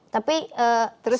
tapi seru sih